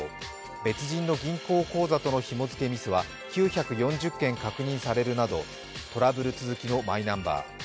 別人の銀行口座とのひも付けミスは９４０件確認されるなどトラブル続きのマイナンバー。